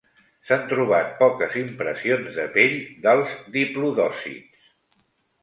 S'han trobat poques impressions de pell dels diplodòcids.